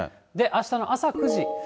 あしたの朝９時。